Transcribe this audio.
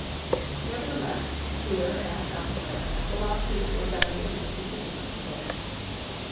Nevertheless, here as elsewhere, the law seeks for definite and specific principles.